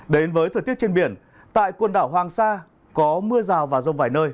đến với thời tiết trên biển tại quần đảo hoàng sa có mưa rào và rông vài nơi